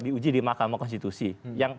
diuji di makam konstitusi yang